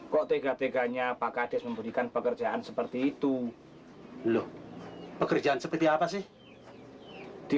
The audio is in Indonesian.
kok tega teganya pak kades memberikan pekerjaan seperti itu loh pekerjaan seperti apa sih di